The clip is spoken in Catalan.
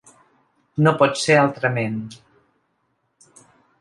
No pot ser altrament.